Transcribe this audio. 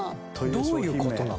どういう事なの？